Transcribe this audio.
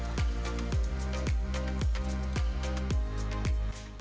ini memang sangat sedap